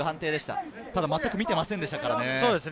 ただまったく見ていませんでしたからね。